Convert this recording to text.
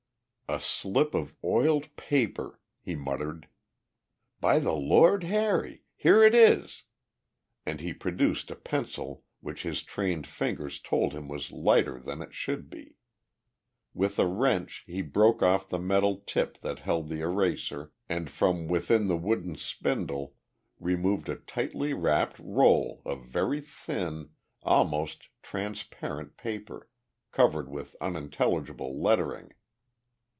"A slip of oiled paper," he muttered. "By the Lord Harry! here it is!" and he produced a pencil which his trained fingers told him was lighter than it should be. With a wrench he broke off the metal tip that held the eraser, and from within the wooden spindle removed a tightly wrapped roll of very thin, almost transparent paper, covered with unintelligible lettering.